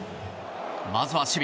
まずは守備。